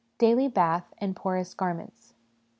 Daily Bath and Porous Garments.